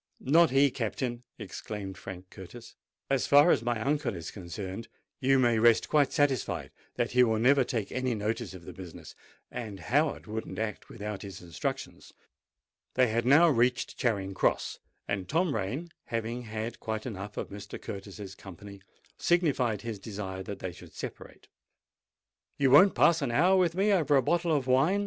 "Not he, Captain!" exclaimed Frank Curtis. "As far as my uncle is concerned, you may rest quite satisfied that he will never take any notice of the business: and Howard wouldn't act without his instructions." They had now reached Charing Cross; and Tom Rain, having had quite enough of Mr. Curtis's company, signified his desire that they should separate. "You won't pass an hour with me over a bottle of wine?"